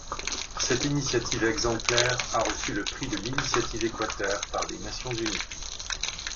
Cette initiative exemplaire a reçu le prix de l'Initiative Équateur par les Nations unies.